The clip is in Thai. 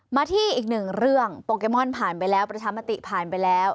มาที่อีกหนึ่งเรื่องโปเกมอนผ่านไปแล้วประชามติผ่านไปแล้ว